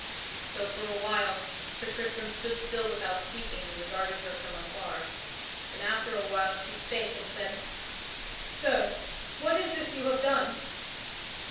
So, for a while, Sir Tristram stood still without speaking and regarded her from afar. Then after a while she spake and said, "Sir, what is this you have done?"